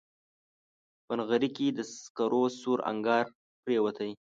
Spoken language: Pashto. په نغري کې د سکرو سور انګار پرېوتی